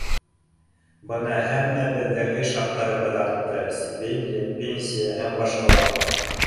Бына һәммәбеҙҙең эш хаҡтарыбыҙ артты, стипендия, пенсия Һәм башҡалар